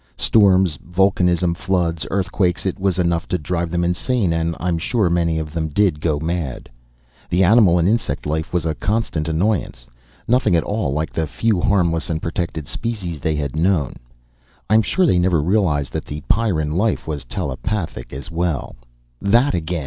Storms, vulcanism, floods, earthquakes it was enough to drive them insane, and I'm sure many of them did go mad. The animal and insect life was a constant annoyance, nothing at all like the few harmless and protected species they had known. I'm sure they never realized that the Pyrran life was telepathic as well " "That again!"